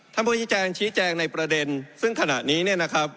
ท่านพระพุทธแจงชี้แจงในประเด็นซึ่งขณะนี้นะครับ